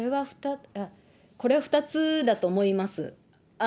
これは、２つだと思います。